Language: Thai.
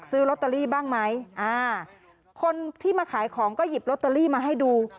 ซื้อลอตเตอรี่บ้างไหมอ่าคนที่มาขายของก็หยิบลอตเตอรี่มาให้ดู